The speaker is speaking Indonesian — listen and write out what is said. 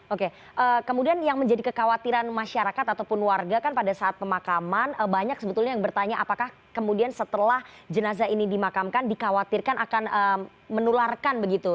oke kemudian yang menjadi kekhawatiran masyarakat ataupun warga kan pada saat pemakaman banyak sebetulnya yang bertanya apakah kemudian setelah jenazah ini dimakamkan dikhawatirkan akan menularkan begitu